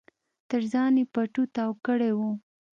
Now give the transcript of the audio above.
تر ځان يې پټو تاو کړی و.